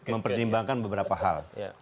memperdimbangkan beberapa hal